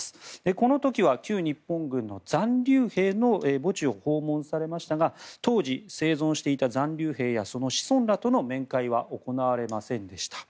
この時は旧日本軍の残留兵の墓地を訪問されましたが当時、生存していた残留兵やその子孫らとの面会は行われませんでした。